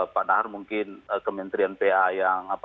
pak nahar mungkin kementerian pa yang